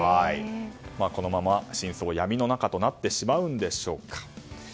このまま真相は闇の中となってしまうんでしょうか。